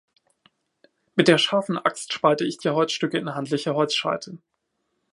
Mit der scharfen Axt spalte ich die Holzstücke in handliche Holzscheite.